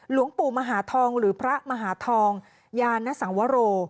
หลวงปู่มหาทองหรือพระมหาทองยานสังวโร